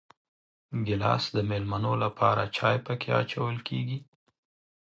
ګیلاس د مېلمنو لپاره چای پکې اچول کېږي.